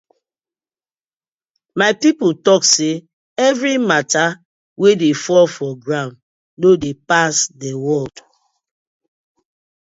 My pipu tok say everi matta wey dey fall for ground no dey pass the world.